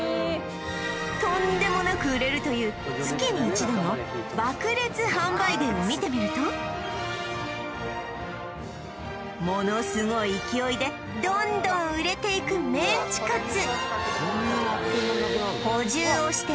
とんでもなく売れるという月に一度のものすごい勢いでどんどん売れていくメンチカツ